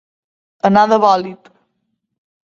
Anar de bòlit.